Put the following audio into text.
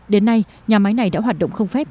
đến nay nhà máy này đã hoạt động không phép